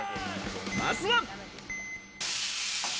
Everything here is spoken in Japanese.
まずは。